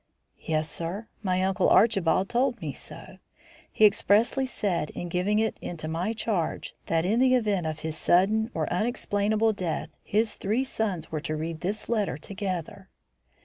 "Yes, sir. My uncle Archibald told me so. He expressly said, in giving it into my charge, that in the event of his sudden or unexplainable death, his three sons were to read this letter together."